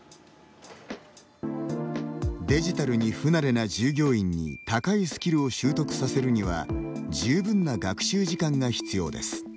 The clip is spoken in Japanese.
デジタルに不慣れな従業員に高いスキルを習得させるには十分な学習時間が必要です。